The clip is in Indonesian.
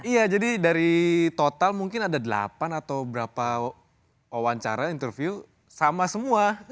iya jadi dari total mungkin ada delapan atau berapa wawancara interview sama semua